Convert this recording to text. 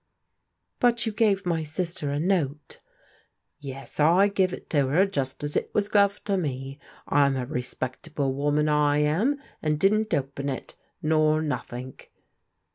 " But you gave my sister a note?" " Yes, I give it to 'er just as it was guv to me. I'm a respectable woman, I am, and didn't open it, nor noth ink."